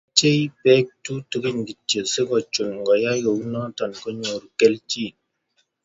Mochei Bek tutugin kityo asikochun ngoyai kounoto konyoru kelchin